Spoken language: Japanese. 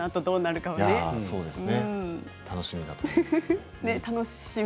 楽しみだと思います。